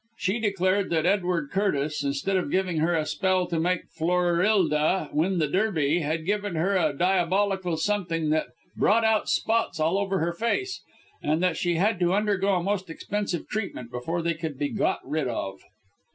She declared that Edward Curtis, instead of giving her a spell to make Florillda win the Derby, had given her a diabolical something that had brought out spots all over her face, and that she had to undergo a most expensive treatment before they could be got rid of.